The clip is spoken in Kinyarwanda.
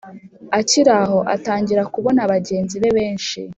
akiraho atangira kubona bagenzi be benshi